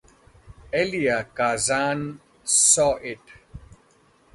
Elia Kazan saw it.